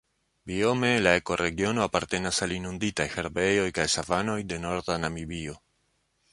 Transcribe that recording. Biome la ekoregiono apartenas al inunditaj herbejoj kaj savanoj de norda Namibio.